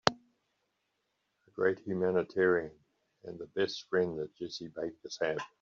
A great humanitarian and the best friend the Jessie Bakers have.